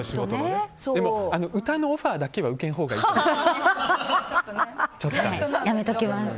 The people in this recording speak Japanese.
でも歌のオファーだけは受けんほうがいいと思う。